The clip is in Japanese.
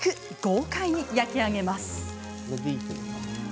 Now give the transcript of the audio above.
豪快に焼き上げます。